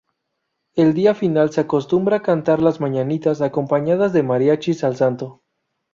El día final se acostumbra cantar "las mañanitas" acompañadas de mariachis al santo.